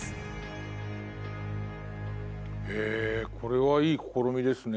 へえこれはいい試みですね。